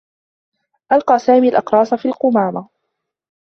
ألقى سامي الأقراص في القمامة.